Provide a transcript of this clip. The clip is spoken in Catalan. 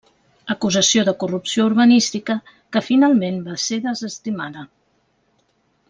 Acusació de corrupció urbanística que finalment va ser desestimada.